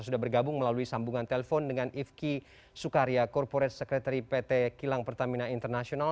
sudah bergabung melalui sambungan telpon dengan ifki sukaria corporate secretary pt kilang pertamina international